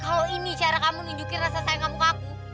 kalau ini cara kamu nunjukin rasa sayang kamu ke aku